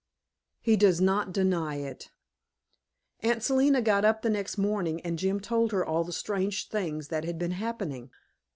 HE DOES NOT DENY IT Aunt Selina got up the next morning and Jim told her all the strange things that had been happening.